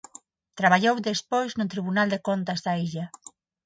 Traballou despois no Tribunal de Contas da illa.